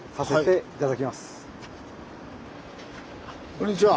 こんにちは。